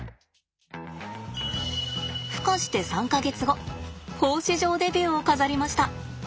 孵化して３か月後放飼場デビューを飾りました。